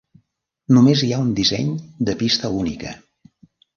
Només hi ha un disseny de pista única.